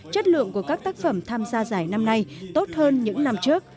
chất lượng của các tác phẩm tham gia giải năm nay tốt hơn những năm trước